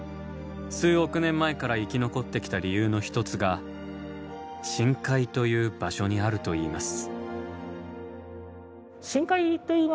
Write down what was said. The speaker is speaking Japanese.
数億年前から生き残ってきた理由の一つが深海という場所にあるといいます。